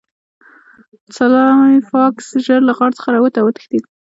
سلای فاکس ژر له غار څخه راووت او وتښتید